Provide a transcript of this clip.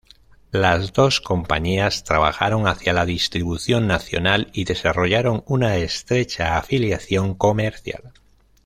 Las dos compañías trabajaron hacia la distribución nacional y desarrollaron una estrecha afiliación comercial.